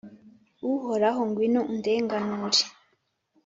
Uhoraho, ngwino undenganure.